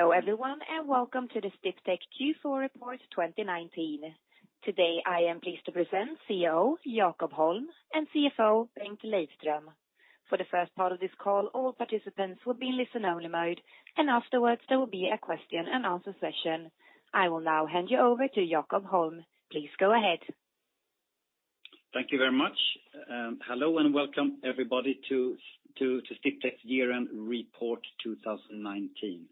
Hello everyone, welcome to the Sdiptech Q4 Report 2019. Today, I am pleased to present CEO Jakob Holm and CFO Bengt Lejdström. For the first part of this call, all participants will be in listen-only mode, and afterwards, there will be a question and answer session. I will now hand you over to Jakob Holm. Please go ahead. Thank you very much. Hello, welcome everybody to Sdiptech Year-End Report 2019.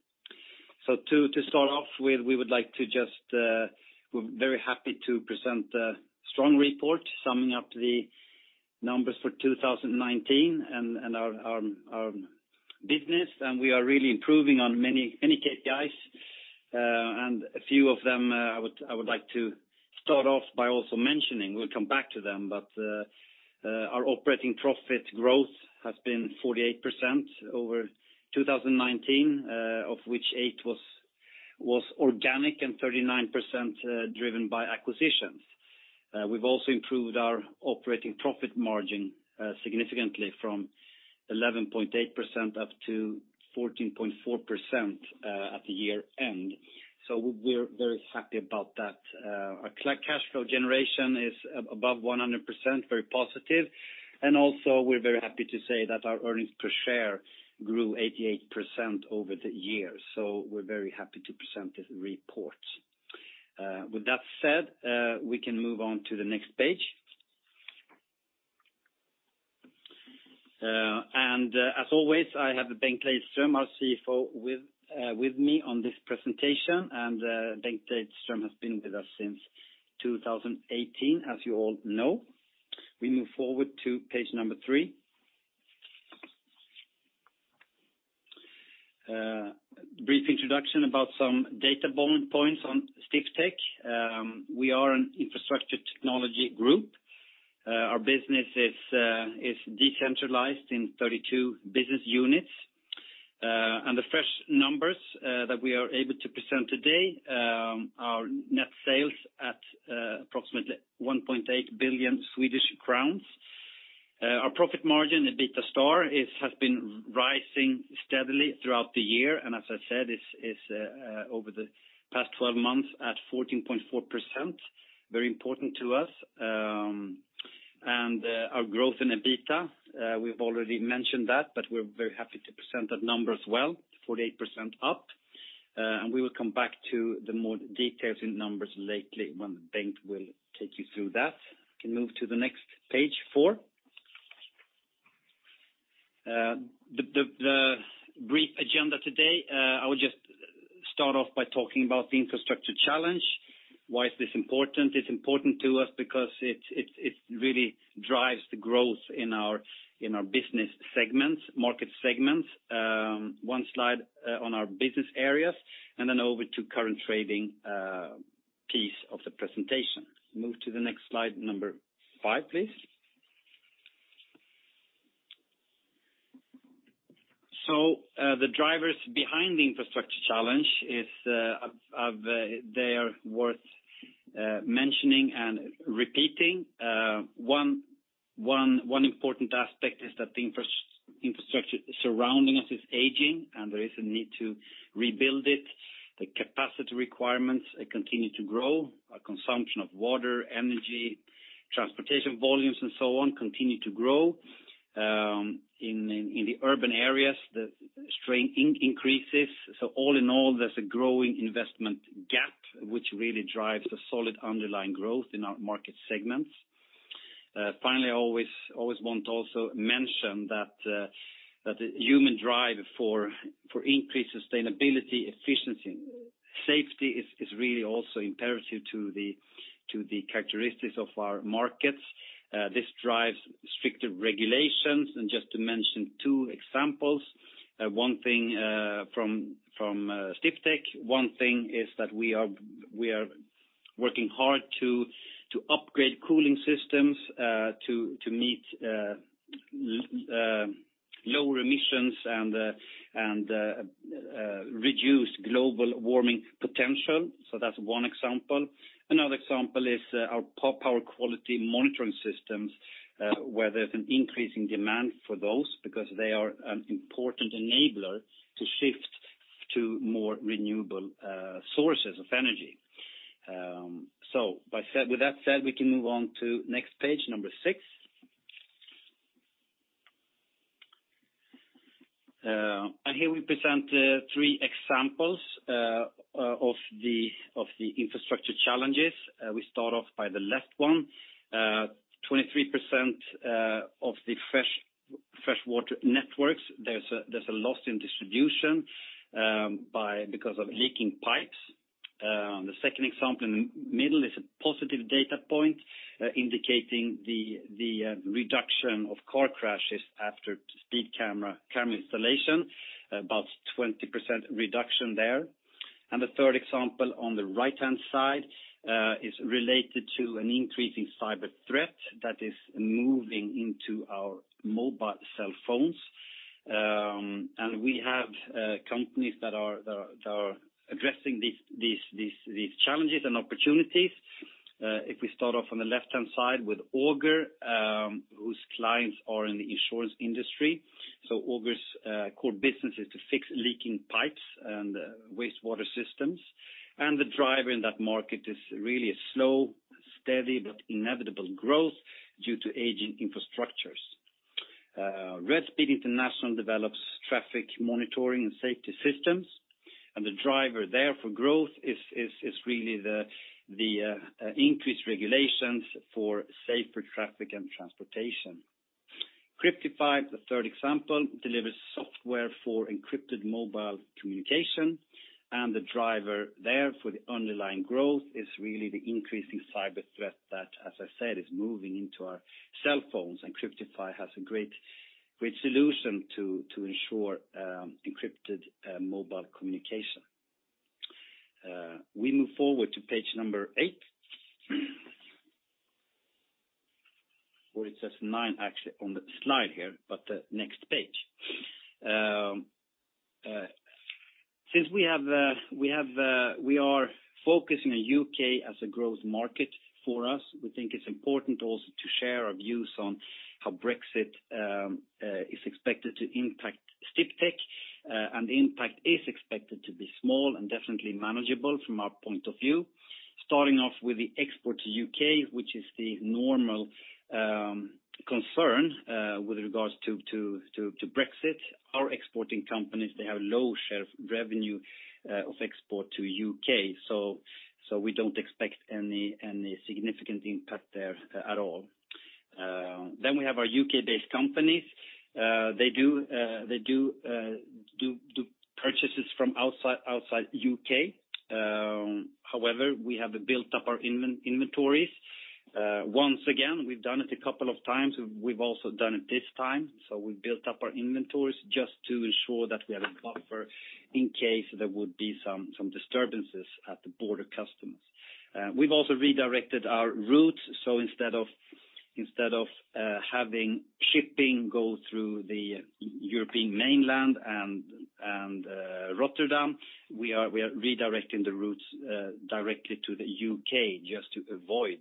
To start off, we're very happy to present a strong report summing up the numbers for 2019 and our business. We are really improving on many KPIs. A few of them I would like to start off by also mentioning. We'll come back to them, but our operating profit growth has been 48% over 2019, of which 8% was organic and 39% driven by acquisitions. We've also improved our operating profit margin significantly from 11.8% up to 14.4% at the year-end. We're very happy about that. Our cash flow generation is above 100%, very positive, and also we're very happy to say that our earnings per share grew 88% over the year. We're very happy to present this report. With that said, we can move on to the next page. As always, I have Bengt Lejdström, our CFO, with me on this presentation, Bengt Lejdström has been with us since 2018, as you all know. We move forward to page 3. A brief introduction about some data points on Sdiptech. Our business is decentralized in 32 business units. The fresh numbers that we are able to present today are net sales at approximately 1.8 billion Swedish crowns. Our profit margin, EBITDA, has been rising steadily throughout the year, and as I said, is over the past 12 months at 14.4%, very important to us. Our growth in EBITDA, we've already mentioned that, but we're very happy to present that number as well, 48% up. We will come back to the more details in numbers lately when Bengt will take you through that. We can move to the next page four. The brief agenda today, I will just start off by talking about the infrastructure challenge. Why is this important? It's important to us because it really drives the growth in our business segments, market segments. One slide on our business areas, and then over to current trading piece of the presentation. Move to the next slide number 5, please. The drivers behind the infrastructure challenge, they are worth mentioning and repeating. One important aspect is that the infrastructure surrounding us is aging, and there is a need to rebuild it. The capacity requirements continue to grow. Our consumption of water, energy, transportation volumes, and so on, continue to grow. In the urban areas, the strain increases. All in all, there's a growing investment gap, which really drives the solid underlying growth in our market segments. Finally, I always want to also mention that the human drive for increased sustainability, efficiency, safety is really also imperative to the characteristics of our markets. This drives stricter regulations. Just to mention two examples, one thing from Sdiptech, one thing is that we are working hard to upgrade cooling systems to meet lower emissions and reduce global warming potential. That's one example. Another example is our power quality monitoring systems, where there's an increasing demand for those because they are an important enabler to shift to more renewable sources of energy. With that said, we can move on to next page, number 6. Here we present three examples of the infrastructure challenges. We start off by the left one. 23% of the fresh water networks, there's a loss in distribution because of leaking pipes. The second example in the middle is a positive data point indicating the reduction of car crashes after speed camera installation, about 20% reduction there. The third example on the right-hand side is related to an increasing cyber threat that is moving into our mobile cell phones. We have companies that are addressing these challenges and opportunities. If we start off on the left-hand side with Auger, whose clients are in the insurance industry. Auger's core business is to fix leaking pipes and wastewater systems. The driver in that market is really a slow, steady, but inevitable growth due to aging infrastructures. RedSpeed International develops traffic monitoring and safety systems, and the driver there for growth is really the increased regulations for safer traffic and transportation. Cryptify, the third example, delivers software for encrypted mobile communication, and the driver there for the underlying growth is really the increasing cyber threat that, as I said, is moving into our cell phones, and Cryptify has a great solution to ensure encrypted mobile communication. We move forward to page number 8. It says nine actually on the slide here, but the next page. Since we are focusing on U.K. as a growth market for us, we think it's important also to share our views on how Brexit is expected to impact Sdiptech, and the impact is expected to be small and definitely manageable from our point of view. Starting off with the export to U.K., which is the normal concern with regards to Brexit. Our exporting companies, they have low share of revenue of export to U.K., so we don't expect any significant impact there at all. We have our U.K.-based companies. They do purchases from outside U.K. We have built up our inventories. Once again, we've done it a couple of times. We've also done it this time. We built up our inventories just to ensure that we have a buffer in case there would be some disturbances at the border customs. We've also redirected our routes. Instead of having shipping go through the European mainland and Rotterdam, we are redirecting the routes directly to the U.K. just to avoid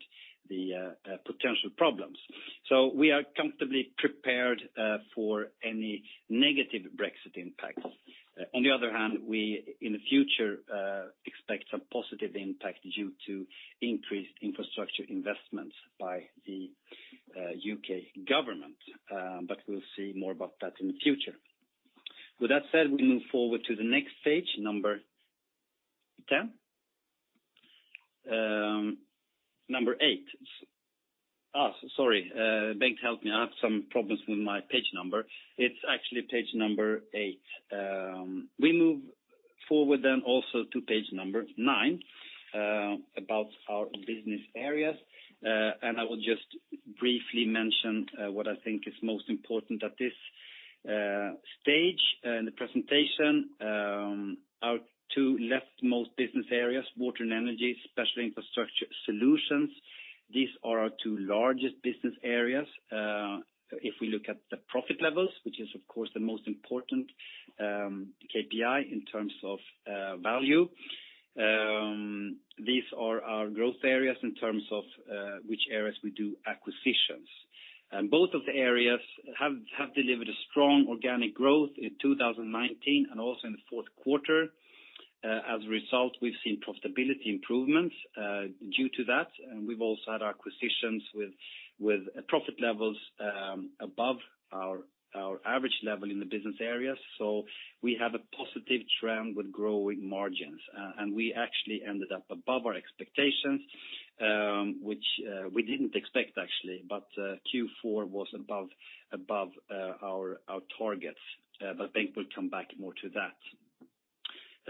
the potential problems. We are comfortably prepared for any negative Brexit impact. On the other hand, in the future, we expect some positive impact due to increased infrastructure investments by the U.K. government, but we'll see more about that in the future. With that said, we move forward to the next page, number 10. Number 8. Sorry. Bengt, help me. I have some problems with my page number. It's actually page number 8. We move forward then also to page number 9 about our business areas. I will just briefly mention what I think is most important at this stage in the presentation. Our two leftmost business areas, water and energy, special infrastructure solutions. These are our two largest business areas. If we look at the profit levels, which is of course the most important KPI in terms of value. These are our growth areas in terms of which areas we do acquisitions. Both of the areas have delivered a strong organic growth in 2019 and also in the fourth quarter. As a result, we've seen profitability improvements due to that, and we've also had acquisitions with profit levels above our average level in the business areas. We have a positive trend with growing margins. We actually ended up above our expectations, which we didn't expect actually. Q4 was above our targets. Bengt will come back more to that.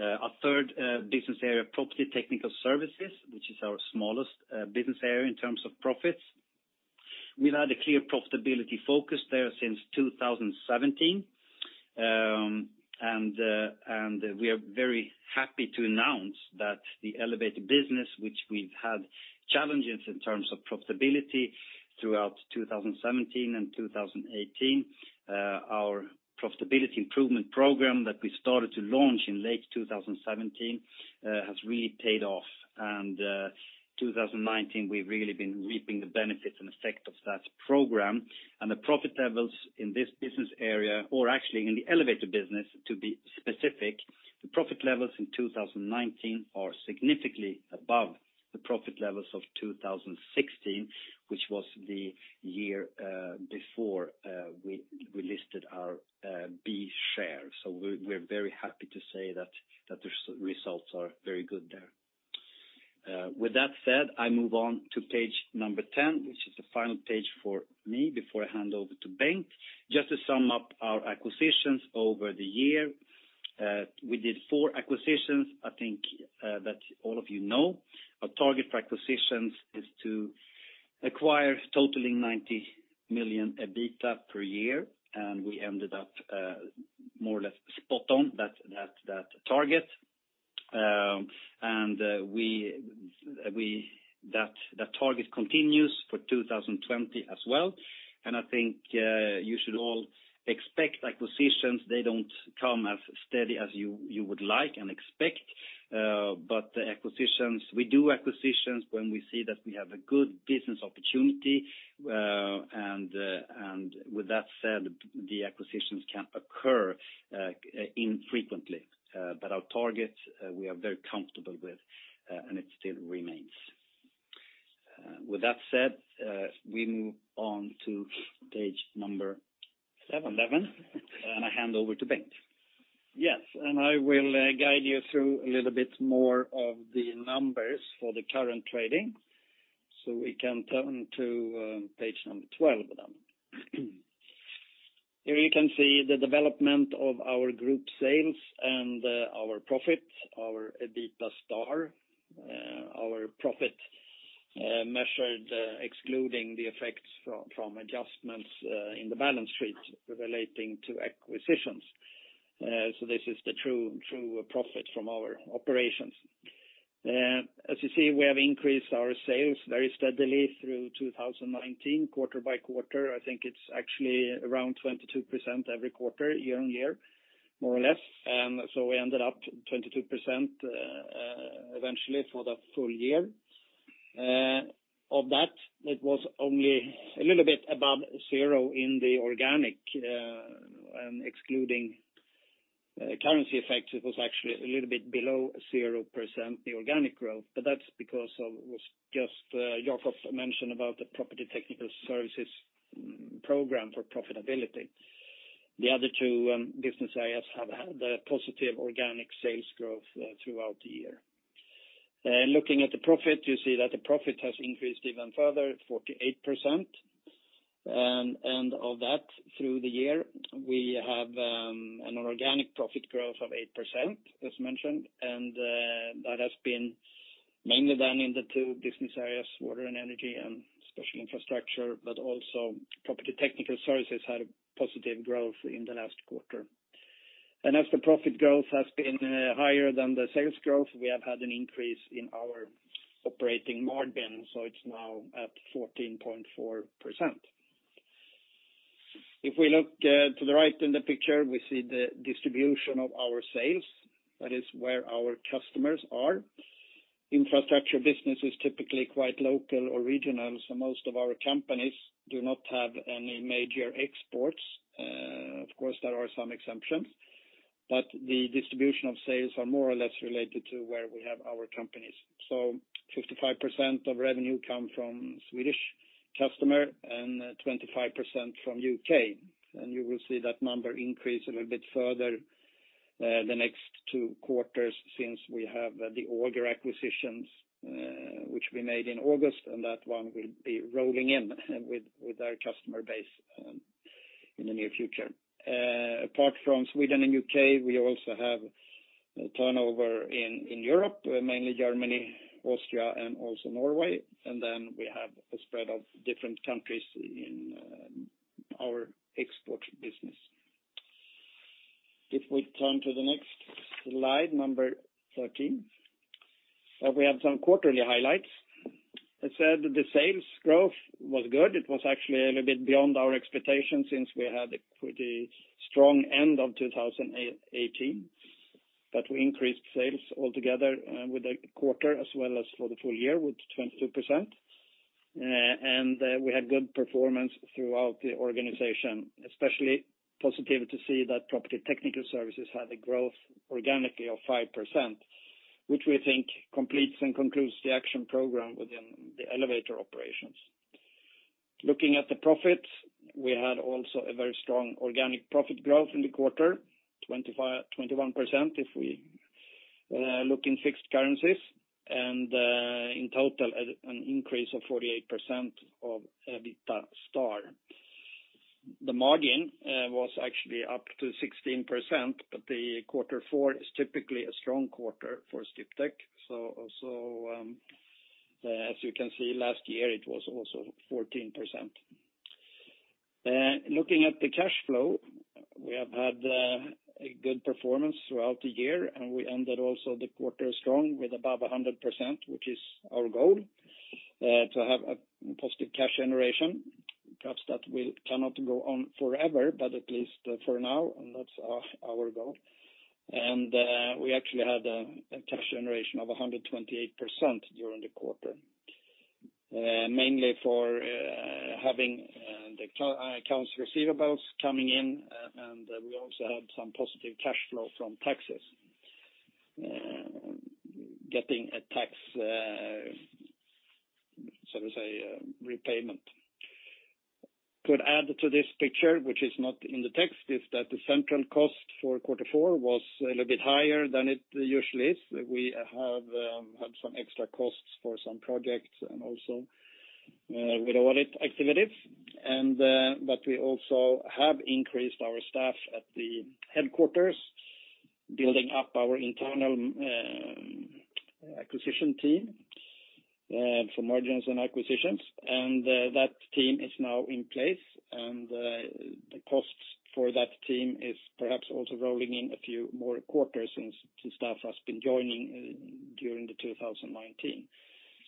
Our third business area, Property Technical Services, which is our smallest business area in terms of profits. We've had a clear profitability focus there since 2017, and we are very happy to announce that the elevator business, which we've had challenges in terms of profitability throughout 2017 and 2018, our profitability improvement program that we started to launch in late 2017 has really paid off. 2019, we've really been reaping the benefits and effect of that program, and the profit levels in this business area, or actually in the elevator business to be specific, the profit levels in 2019 are significantly above the profit levels of 2016, which was the year before we listed our B share. We're very happy to say that the results are very good there. With that said, I move on to page number 10, which is the final page for me before I hand over to Bengt. Just to sum up our acquisitions over the year. We did four acquisitions I think that all of you know. Our target for acquisitions is to acquire totaling 90 million EBITA per year, and we ended up more or less spot on that target. That target continues for 2020 as well, and I think you should all expect acquisitions. They don't come as steady as you would like and expect. We do acquisitions when we see that we have a good business opportunity, and with that said, the acquisitions can occur infrequently. Our target, we are very comfortable with, and it still remains. With that said, we move on to page number 7. Seven. I hand over to Bengt. Yes, I will guide you through a little bit more of the numbers for the current trading. We can turn to page number 12. Here you can see the development of our group sales and our profit, our EBITDA, our profit measured excluding the effects from adjustments in the balance sheet relating to acquisitions. This is the true profit from our operations. As you see, we have increased our sales very steadily through 2019, quarter-by-quarter. I think it's actually around 22% every quarter, year-on-year, more or less. We ended up 22% eventually for the full year. Of that, it was only a little bit above 0 in the organic, and excluding currency effects, it was actually a little bit below 0%, the organic growth. That's because of what Jakob mentioned about the Property Technical Services program for profitability. The other two business areas have had a positive organic sales growth throughout the year. Looking at the profit, you see that the profit has increased even further, 48%, and of that through the year, we have an organic profit growth of 8%, as mentioned, and that has been mainly done in the two business areas, water and energy and special infrastructure, but also Property Technical Services had a positive growth in the last quarter. As the profit growth has been higher than the sales growth, we have had an increase in our operating margin, so it's now at 14.4%. If we look to the right in the picture, we see the distribution of our sales. That is where our customers are. Infrastructure business is typically quite local or regional, so most of our companies do not have any major exports. Of course, there are some exceptions. The distribution of sales are more or less related to where we have our companies. 55% of revenue come from Swedish customer and 25% from U.K. You will see that number increase a little bit further the next two quarters since we have the Auger acquisitions, which we made in August, and that one will be rolling in with our customer base in the near future. Apart from Sweden and U.K., we also have turnover in Europe, mainly Germany, Austria, and also Norway. We have a spread of different countries in our export business. If we turn to the next slide, number 13, we have some quarterly highlights. As said, the sales growth was good. It was actually a little bit beyond our expectation since we had a pretty strong end of 2018. We increased sales altogether with the quarter as well as for the full year with 22%. We had good performance throughout the organization, especially positive to see that Property Technical Services had a growth organically of 5%, which we think completes and concludes the action program within the elevator operations. Looking at the profit, we had also a very strong organic profit growth in the quarter, 21% if we look in fixed currencies, and in total, an increase of 48% of EBITDA. The margin was actually up to 16%, but the quarter four is typically a strong quarter for Sdiptech. As you can see, last year it was also 14%. Looking at the cash flow, we have had a good performance throughout the year, and we ended also the quarter strong with above 100%, which is our goal, to have a positive cash generation. Perhaps that cannot go on forever, but at least for now, that's our goal. We actually had a cash generation of 128% during the quarter. Mainly for having the accounts receivables coming in, and we also had some positive cash flow from taxes, getting a tax, shall we say, repayment. Could add to this picture, which is not in the text, is that the central cost for quarter four was a little bit higher than it usually is. We have had some extra costs for some projects and also with our IT activities. We also have increased our staff at the headquarters, building up our internal acquisition team for margins and acquisitions. That team is now in place, and the costs for that team is perhaps also rolling in a few more quarters since the staff has been joining during the 2019.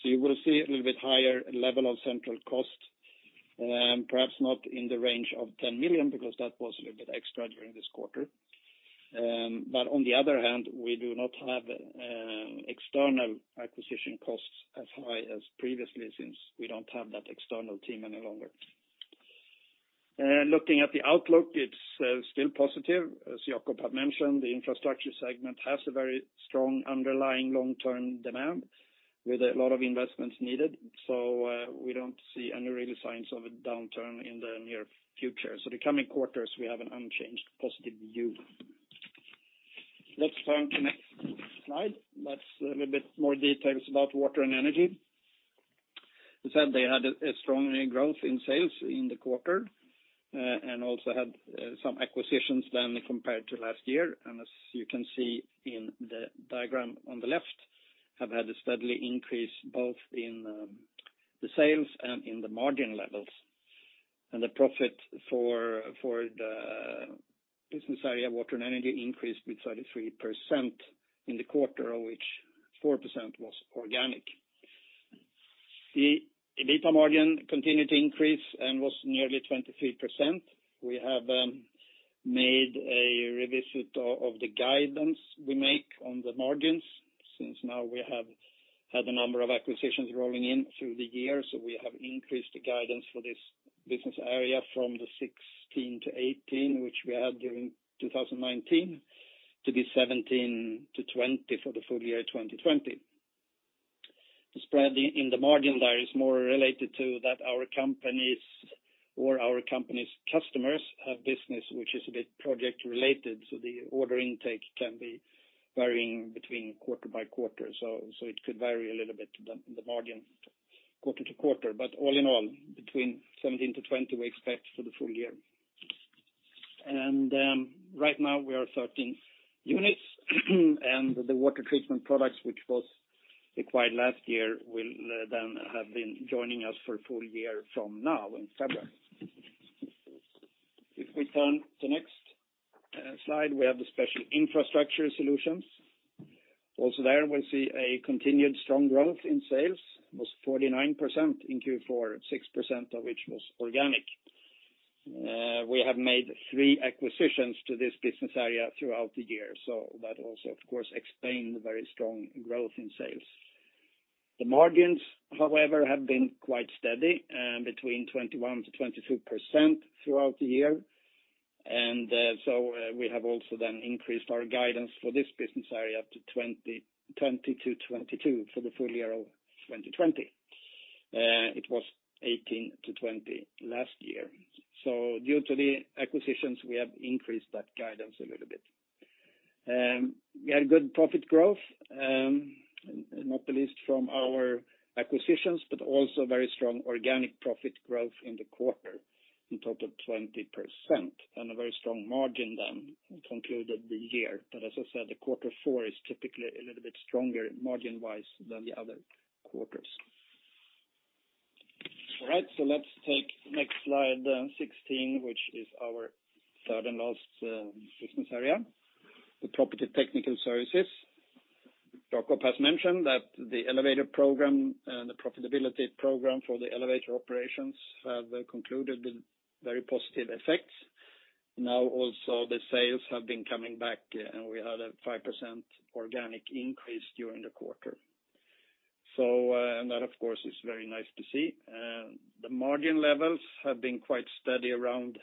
You will see a little bit higher level of central cost, perhaps not in the range of 10 million, because that was a little bit extra during this quarter. On the other hand, we do not have external acquisition costs as high as previously, since we don't have that external team any longer. Looking at the outlook, it's still positive. As Jakob had mentioned, the infrastructure segment has a very strong underlying long-term demand with a lot of investments needed. We don't see any real signs of a downturn in the near future. The coming quarters, we have an unchanged positive view. Let's turn to the next slide. That's a little bit more details about water and energy. As said, they had a strong growth in sales in the quarter, and also had some acquisitions then compared to last year. As you can see in the diagram on the left, have had a steady increase both in the sales and in the margin levels. The profit for the business area, water and energy, increased with 33% in the quarter, of which 4% was organic. The EBITDA margin continued to increase and was nearly 23%. We have made a revisit of the guidance we make on the margins, since now we have had a number of acquisitions rolling in through the year, so we have increased the guidance for this business area from the 16%-18%, which we had during 2019, to be 17%-20% for the full year 2020. The spread in the margin there is more related to that our companies or our company's customers have business which is a bit project-related, so the order intake can be varying between quarter by quarter. It could vary a little bit in the margin quarter to quarter. All in all, between 17%-20%, we expect for the full year. Right now we are 13 units, and the Water Treatment Products, which was acquired last year, will then have been joining us for a full year from now in February. If we turn to the next slide, we have the special infrastructure solutions. Also there, we see a continued strong growth in sales, was 49% in Q4, 6% of which was organic. We have made three acquisitions to this business area throughout the year, that also, of course, explain the very strong growth in sales. The margins, however, have been quite steady, between 21%-22% throughout the year. We have also increased our guidance for this business area to 20%-22% for the full year of 2020. It was 18%-20% last year. Due to the acquisitions, we have increased that guidance a little bit. We had good profit growth, not the least from our acquisitions, but also very strong organic profit growth in the quarter, in total 20%, and a very strong margin then concluded the year. As I said, the quarter four is typically a little bit stronger margin-wise than the other quarters. Let's take the next slide 16, which is our third and last business area, the Property Technical Services. Jakob has mentioned that the elevator program and the profitability program for the elevator operations have concluded with very positive effects. The sales have been coming back, we had a 5% organic increase during the quarter. That, of course, is very nice to see. The margin levels have been quite steady around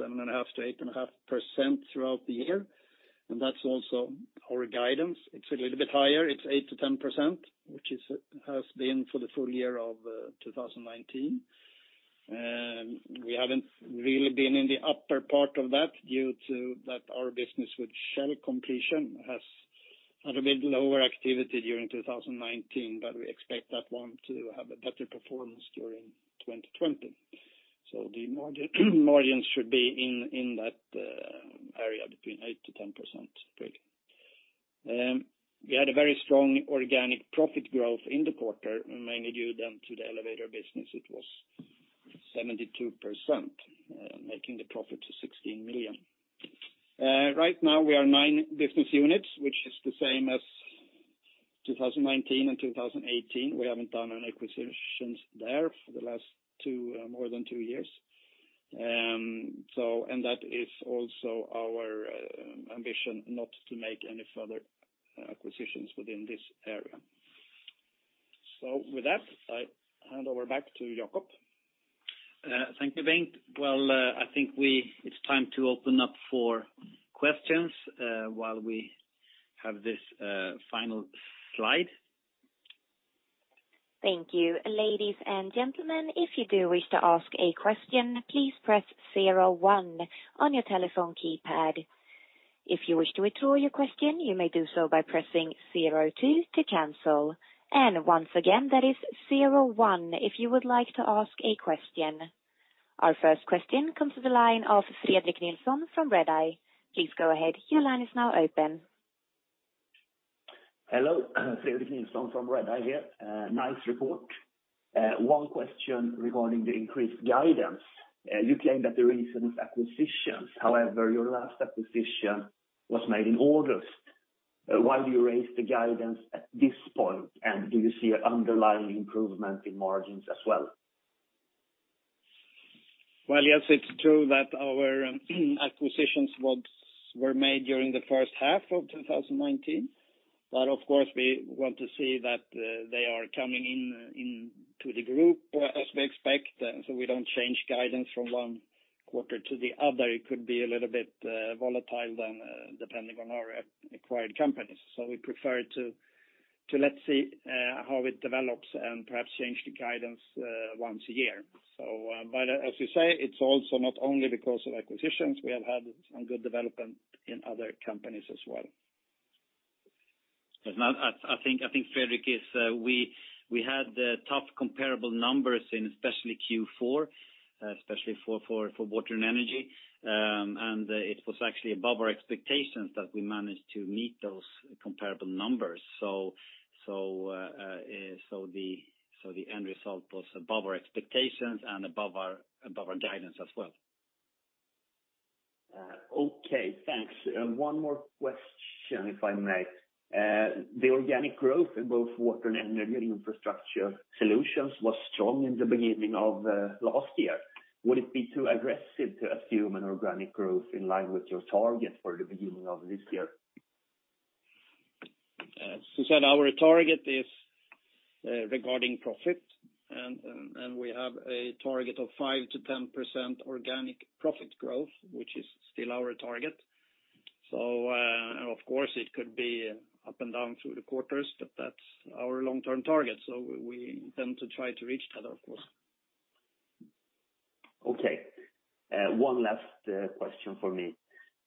7.5%-8.5% throughout the year, that's also our guidance. It's a little bit higher. It's 8%-10%, which has been for the full year of 2019. We haven't really been in the upper part of that due to that our business with Shell completion has had a bit lower activity during 2019, we expect that one to have a better performance during 2020. The margin should be in that area between 8%-10%, really. We had a very strong organic profit growth in the quarter, mainly due to the elevator business. It was 72%, making the profit to 16 million. Right now we are nine business units, which is the same as 2019 and 2018. We haven't done any acquisitions there for the last more than two years. That is also our ambition, not to make any further acquisitions within this area. With that, I hand over back to Jakob. Thank you, Bengt. Well, I think it's time to open up for questions while we have this final slide. Thank you. Ladies and gentlemen, if you do wish to ask a question, please press zero one on your telephone keypad. If you wish to withdraw your question, you may do so by pressing zero two to cancel. And once again, that is zero one if you would like to ask a question. Our first question comes to the line of Fredrik Nilsson from Redeye. Please go ahead. Your line is now open. Hello. Fredrik Nilsson from Redeye here. Nice report. One question regarding the increased guidance. You claim that the reason is acquisitions. However, your last acquisition was made in August. Why do you raise the guidance at this point? Do you see an underlying improvement in margins as well? Well, yes, it's true that our acquisitions were made during the first half of 2019. Of course, we want to see that they are coming into the group as we expect. We don't change guidance from one quarter to the other. It could be a little bit volatile then, depending on our acquired companies. We prefer to let's see how it develops and perhaps change the guidance once a year. As you say, it's also not only because of acquisitions, we have had some good development in other companies as well. I think, Fredrik, we had the tough comparable numbers in especially Q4, especially for water and energy. It was actually above our expectations that we managed to meet those comparable numbers. The end result was above our expectations and above our guidance as well. Okay, thanks. One more question, if I may. The organic growth in both water and energy and infrastructure solutions was strong in the beginning of last year. Would it be too aggressive to assume an organic growth in line with your target for the beginning of this year? So our target is regarding profit. We have a target of 5%-10% organic profit growth, which is still our target. Of course, it could be up and down through the quarters, but that's our long-term target. We intend to try to reach that, of course. Okay. One last question from me.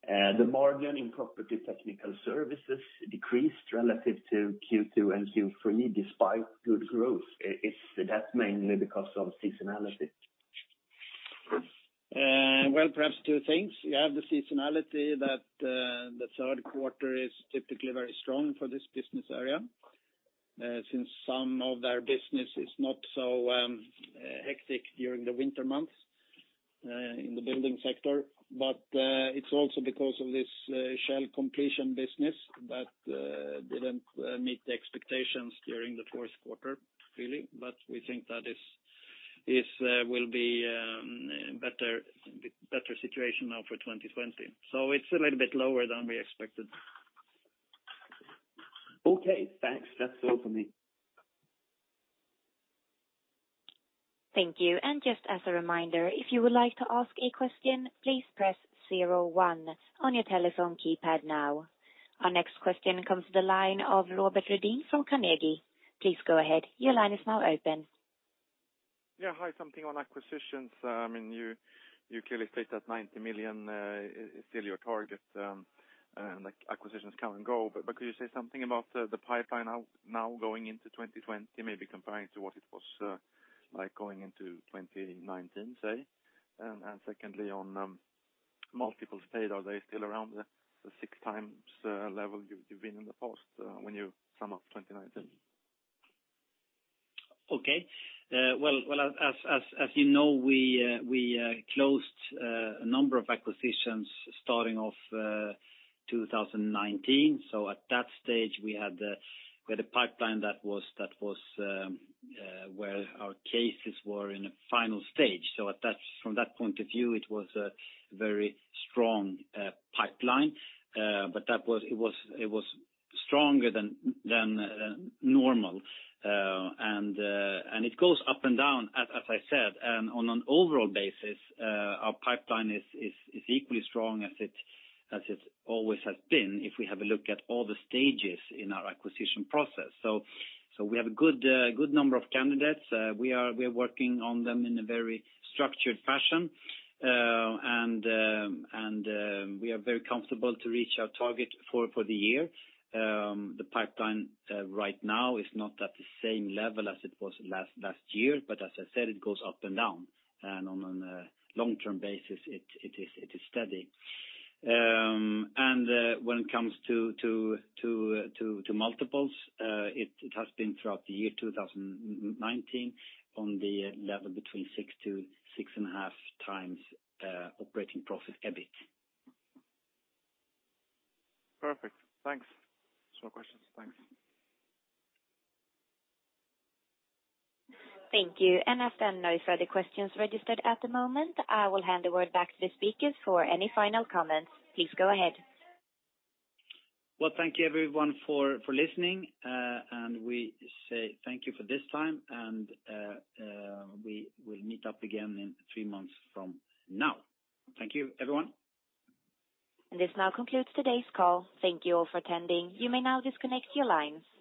The margin in Property Technical Services decreased relative to Q2 and Q3, despite good growth. Is that mainly because of seasonality? Well, perhaps two things. You have the seasonality that the third quarter is typically very strong for this business area, since some of their business is not so hectic during the winter months in the building sector. It's also because of this Shell completion business that didn't meet the expectations during the fourth quarter, really. We think that it will be a better situation now for 2020. It's a little bit lower than we expected. Okay, thanks. That's all for me. Thank you. Just as a reminder, if you would like to ask a question, please press zero one on your telephone keypad now. Our next question comes to the line of Robert Redin from Carnegie. Please go ahead. Your line is now open. Yeah, hi. Something on acquisitions. You clearly state that 90 million is still your target, and acquisitions come and go. Could you say something about the pipeline now going into 2020, maybe comparing to what it was like going into 2019, say? Secondly, on multiples paid, are they still around the 6x level you've been in the past when you sum up 2019? Okay. Well, as you know, we closed a number of acquisitions starting off 2019. At that stage, we had a pipeline that was where our cases were in the final stage. From that point of view, it was a very strong pipeline. It was stronger than normal, and it goes up and down, as I said. On an overall basis, our pipeline is equally strong as it always has been if we have a look at all the stages in our acquisition process. We have a good number of candidates. We are working on them in a very structured fashion, and we are very comfortable to reach our target for the year. The pipeline right now is not at the same level as it was last year, but as I said, it goes up and down. On a long-term basis, it is steady. When it comes to multiples, it has been throughout the year 2019 on the level between 6x-6.5x operating profit, EBIT. Perfect. Thanks. That's all questions. Thanks. Thank you. As there are no further questions registered at the moment, I will hand the word back to the speakers for any final comments. Please go ahead. Well, thank you, everyone, for listening, and we say thank you for this time, and we will meet up again in three months from now. Thank you, everyone. This now concludes today's call. Thank you all for attending. You may now disconnect your lines.